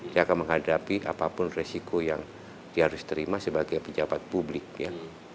dia akan menghadapi apapun resiko yang dia harus terima sebagai pejabat publik ya